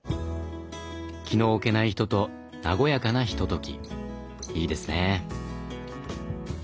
気の置けない人と和やかなひとときいいですね。